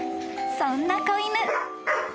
［そんな子犬］